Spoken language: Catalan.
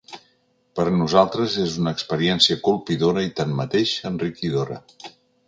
Per a nosaltres és una experiència colpidora i tanmateix, enriquidora.